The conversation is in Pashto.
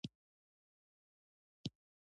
ښه خدمت د بری تر ټولو قوي اعلان دی.